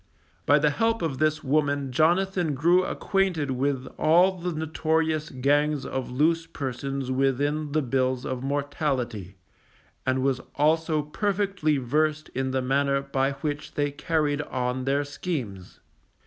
By the help of this woman Jonathan grew acquainted with all the notorious gangs of loose persons within the bills of mortality, and was also perfectly versed in the manner by which they carried on their schemes.